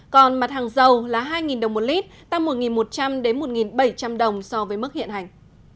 còn mặt hàng dầu là hai đồng một lít tăng một một trăm linh đến một bảy trăm linh đồng so với mức hiện hành